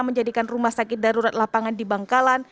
menjadikan rumah sakit darurat lapangan di bangkalan